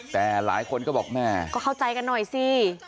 แต่หลายคนก็บอกแม่ก็เข้าใจกันหน่อยสิ